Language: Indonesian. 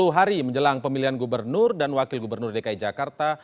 sepuluh hari menjelang pemilihan gubernur dan wakil gubernur dki jakarta